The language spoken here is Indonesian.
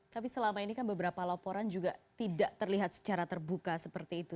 tapi selama ini kan beberapa laporan juga tidak terlihat secara terbuka seperti itu